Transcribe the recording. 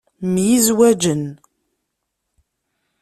Myizwaǧen.